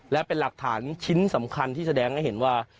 และเป็นหลักฐานชิ้นสำคัญที่แสดงให้เห็นว่า